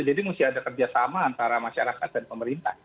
jadi mesti ada kerjasama antara masyarakat dan pemerintah